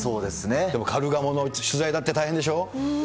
でもカルガモの取材だって大変でしょう。